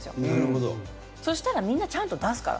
そしたらみんなちゃんと出すから。